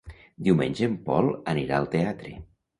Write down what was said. Diumenge en Pol anirà al teatre.